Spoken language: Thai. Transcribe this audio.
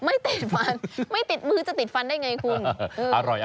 ไม่ติดฟันไม่ติดมือจะติดฟันได้ไงคุณ